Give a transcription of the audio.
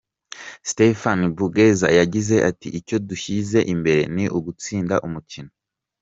Stephane Boungueza yagize ati “ Icyo dushyize imbere ni ugutsinda umukino.